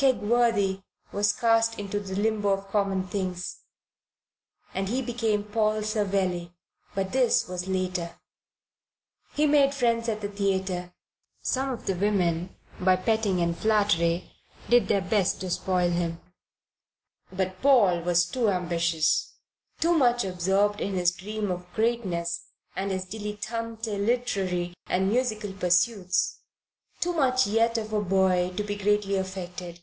Kegworthy was cast into the limbo of common things, and he became Paul Savelli. But this was later. He made friends at the theatre. Some of the women, by petting and flattery, did their best to spoil him; but Paul was too ambitious, too much absorbed in his dream of greatness and his dilettante literary and musical pursuits, too much yet of a boy to be greatly affected.